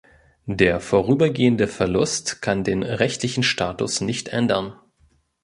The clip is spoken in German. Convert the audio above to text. Der vorübergehende Verlust kann den rechtlichen Status nicht ändern.